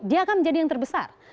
dia akan menjadi yang terbesar